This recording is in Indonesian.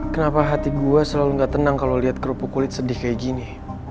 kenapa hati gue selalu gak tenang kalau lihat kerupuk kulit sedih kayak gini